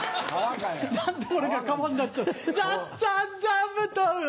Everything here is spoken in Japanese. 何で俺が皮になっちゃうの。